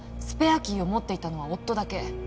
スペアキーを持っていたのは夫だけ。